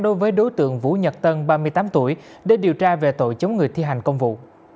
đối với đối tượng vũ nhật tân ba mươi tám tuổi để điều tra về tội chống người thi hành công vụ